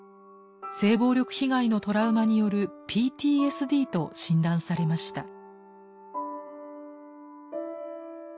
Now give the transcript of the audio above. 性暴力被害のトラウマによるＰＴＳＤと診断されました。